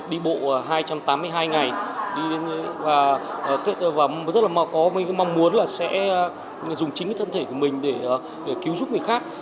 đi bộ hai trăm tám mươi hai ngày và rất là mong muốn sẽ dùng chính thân thể của mình để cứu giúp người khác